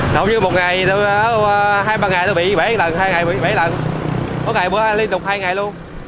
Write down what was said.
nói như một ngày hai ba ngày nó bị bể lần hai ngày bị bể lần một ngày liên tục hai ngày luôn